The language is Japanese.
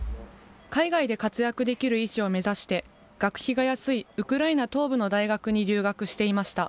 海外で活躍できる医師を目指して、学費が安いウクライナ東部の大学に留学していました。